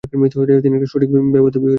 তিনি একটি সঠিক বিবাহিত জীবন পেতে পারেন।